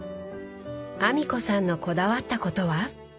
阿美子さんのこだわったことは？